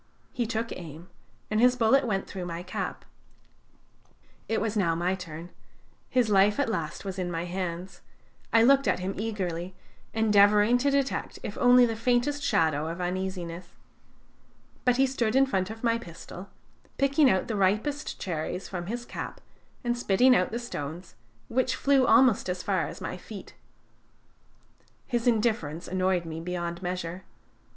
He took aim, and his bullet went through my cap. It was now my turn. His life at last was in my hands; I looked at him eagerly, endeavoring to detect if only the faintest shadow of uneasiness. But he stood in front of my pistol, picking out the ripest cherries from his cap and spitting out the stones, which flew almost as far as my feet. His indifference annoyed me beyond measure.